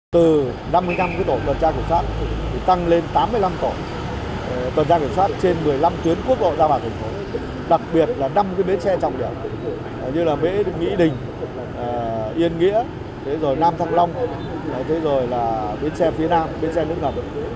từ năm mươi năm tổ tuần tra kiểm soát tăng lên tám mươi năm tổ tuần tra kiểm soát trên một mươi năm tuyến quốc độ ra bà thành phố đặc biệt là năm bến xe trọng điểm như mỹ đình yên nghĩa nam thăng long bến xe phía nam bến xe nước ngầm